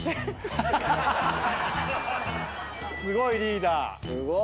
すごいリーダー。